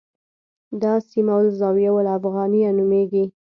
دا سیمه الزاویة الافغانیه نومېږي.